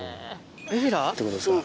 エフィラってことですか。